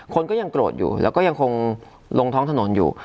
คนก็ยังโกรธอยู่แล้วก็ยังคงลงท้องถนนอยู่